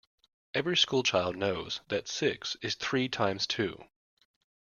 Every school child knows that six is three times two